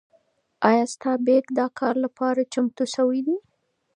ایا ستا بیک د کار لپاره چمتو شوی دی؟